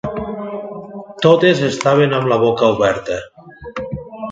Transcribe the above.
Totes estaven amb la boca oberta